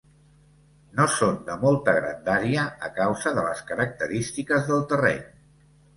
No són de molta grandària a causa de les característiques del terreny.